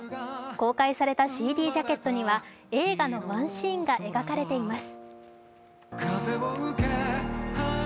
公開されたＣＤジャケットには映画のワンシーンが描かれています。